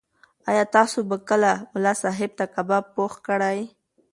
ایا تاسو به کله ملا صاحب ته کباب پوخ کړئ؟